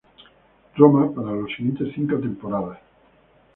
Roma para las siguientes cinco temporadas.